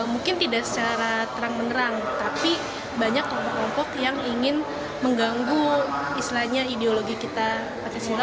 mungkin tidak secara terang menerang tapi banyak kelompok kelompok yang ingin mengganggu istilahnya ideologi kita pancasila